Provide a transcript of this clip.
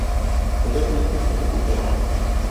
Ferozmente se recuperó.